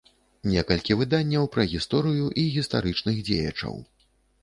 Некалькі выданняў пра гісторыю і гістарычных дзеячаў.